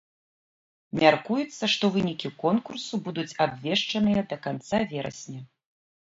Мяркуецца, што вынікі конкурсу будуць абвешчаныя да канца верасня.